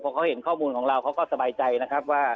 พอเขาเห็นข้อมูลของเราเขาก็สบายใจนะครับว่า